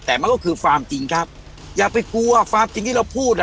แต่มันก็คือฟาร์มจริงครับอย่าไปกลัวความจริงที่เราพูดอ่ะ